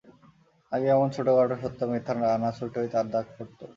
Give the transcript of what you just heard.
আগে এমন ছোটোখাটো সত্যমিথ্যা নানা ছুতোয় তাঁর ডাক পড়ত।